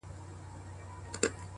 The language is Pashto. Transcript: • يوه ورځ ملا په خپل كور كي بيده وو ,